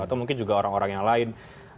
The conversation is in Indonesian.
atau mungkin juga orang orang yang lain